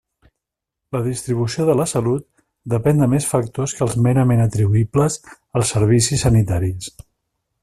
La distribució de la salut depén de més factors que els merament atribuïbles als servicis sanitaris.